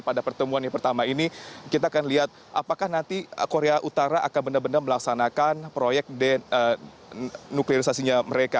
pada pertemuan yang pertama ini kita akan lihat apakah nanti korea utara akan benar benar melaksanakan proyek denuklirisasinya mereka